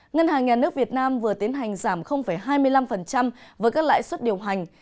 ngân hàng nhà nước việt nam vừa tiến hành giảm hai mươi năm với các lãi suất điều hành